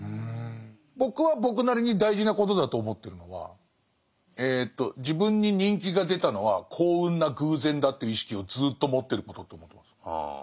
僕は僕なりに大事なことだと思ってるのは自分に人気が出たのは幸運な偶然だっていう意識をずっと持ってることと思ってます。